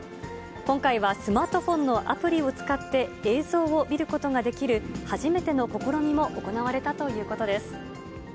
今回はスマートフォンのアプリを使って映像を見ることができる、初めての試みも行われたということです。